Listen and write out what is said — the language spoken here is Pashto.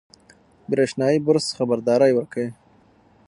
برېښنایي برس خبرداری ورکوي.